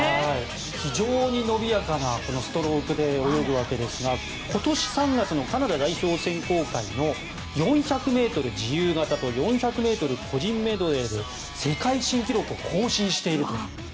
非常に伸びやかなストロークで泳ぐわけですが今年３月のカナダの代表選考会の４００ｍ自由形と４００ｍ個人メドレーで世界新記録を更新していると。